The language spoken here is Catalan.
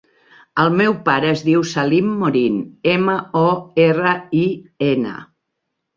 El meu pare es diu Salim Morin: ema, o, erra, i, ena.